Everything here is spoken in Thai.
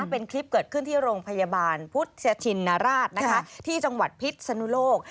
เป็นคลิปเกิดขึ้นที่โรงพยาบาลพุทธชินราชที่จังหวัดพิษสนุโลก